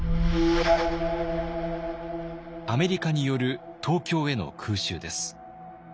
アメリカによる東京への空襲です。